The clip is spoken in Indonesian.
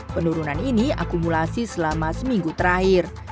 penurunan ini akumulasi selama seminggu terakhir